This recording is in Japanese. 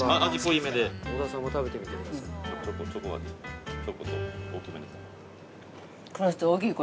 ◆小田さんも食べてみてください。